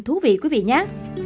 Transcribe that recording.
thú vị quý vị nhé